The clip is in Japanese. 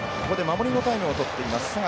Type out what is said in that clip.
ここで守りのタイムをとっています。